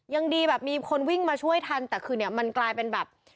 ยังดีแบบมีคนวิ่งมาช่วยทันแต่คือเนี่ยมันกลายเป็นแบบ